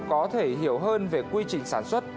có thể hiểu hơn về quy trình sản xuất